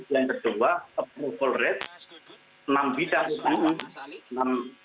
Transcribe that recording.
yang kedua approval rate enam bisa enam